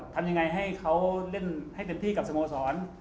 ทำยังไงให้เขาเล่นให้เต็มที่กับสโมสร